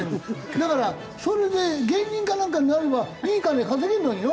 だからそれで芸人かなんかになればいい金稼げるのによ。